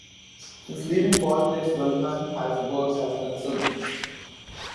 Since leaving politics Wildman has worked as a consultant.